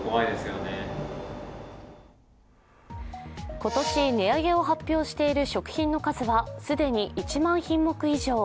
今年、値上げを発表している食品の数は既に１万品目以上。